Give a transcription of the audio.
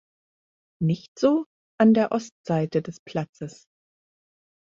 Nicht so an der Ostseite des Platzes.